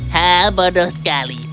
hah bodoh sekali